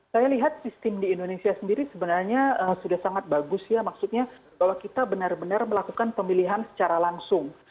saya lihat sistem di indonesia sendiri sebenarnya sudah sangat bagus ya maksudnya kalau kita benar benar melakukan pemilihan secara langsung